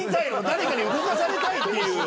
誰かに動かされたいっていう。